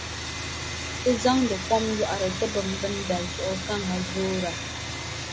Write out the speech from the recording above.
Ti zaŋdi kom yɔɣiri ti bimbinda zuɣu ka ŋa zoora.